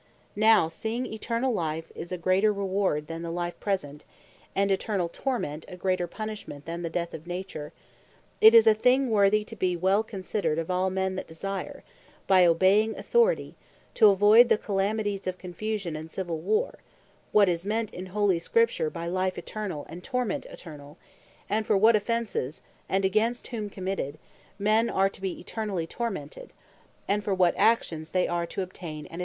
Now seeing Eternall Life is a greater reward, than the Life Present; and Eternall Torment a greater punishment than the Death of Nature; It is a thing worthy to be well considered, of all men that desire (by obeying Authority) to avoid the calamities of Confusion, and Civill war, what is meant in Holy Scripture, by Life Eternall, and Torment Eternall; and for what offences, against whom committed, men are to be Eternally Tormented; and for what actions, they are to obtain Eternall Life.